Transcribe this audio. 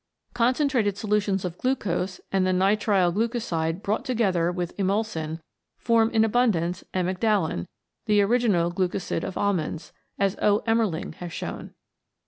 Concentrated solutions of glucose and the nitrile glucoside brought together with emulsin form in abundance amygdalin, the original glucosid of almonds, as O. Emmerling has shown.